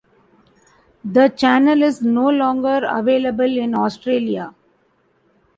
The channel is no longer available in Australia.